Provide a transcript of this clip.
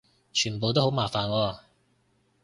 全部都好麻煩喎